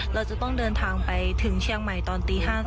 เราจะต้องเดินทางไปถึงเชียงใหม่ตอนตี๕๓